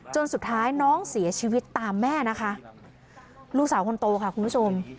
สุดท้ายน้องเสียชีวิตตามแม่นะคะลูกสาวคนโตค่ะคุณผู้ชม